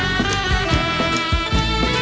กลับไปที่นี่